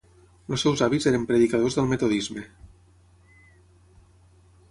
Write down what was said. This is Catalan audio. Els seus avis eren predicadors del Metodisme.